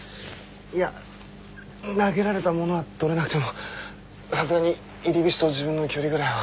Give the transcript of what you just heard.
いや投げられたものは取れなくてもさすがに入り口と自分の距離ぐらいは分かります。